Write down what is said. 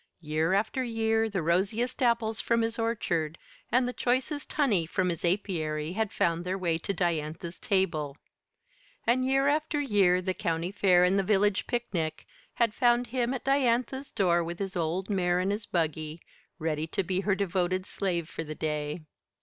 Year after year the rosiest apples from his orchard and the choicest honey from his apiary had found their way to Diantha's table; and year after year the county fair and the village picnic had found him at Diantha's door with his old mare and his buggy, ready to be her devoted slave for the day.